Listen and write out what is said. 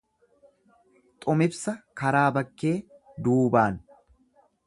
Xumibsa karaa bakkee, duubaan.